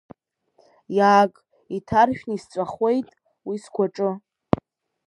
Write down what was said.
Иааг, иҭаршәны исҵәахуеит, уи сгәаҿы!